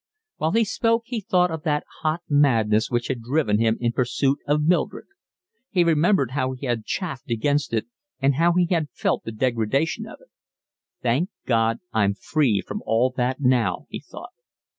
While he spoke he thought of that hot madness which had driven him in pursuit of Mildred. He remembered how he had chafed against it and how he had felt the degradation of it. "Thank God, I'm free from all that now," he thought.